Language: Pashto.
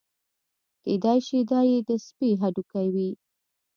کېدای شي دا یې د سپي هډوکي وي.